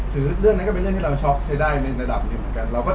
คือเรื่องนั้นก็เป็นเรื่องที่เราช็อกใช้ได้ในระดับหนึ่งเหมือนกัน